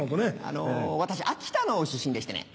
私秋田の出身でしてね。